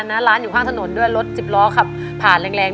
ร้านอยู่ข้างถนนด้วยรถสิบล้อขับผ่านแรง